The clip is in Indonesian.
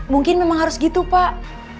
mungkin memang harus gitu pak